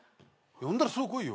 呼んだらすぐ来いよ。